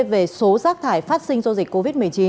về số rác thải phát sinh do dịch covid một mươi chín